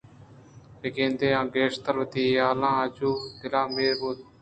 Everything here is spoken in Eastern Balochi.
بہ گندے آ گیشتر وتی حیالاں آ جو ءُدل ءَ میر بوتیں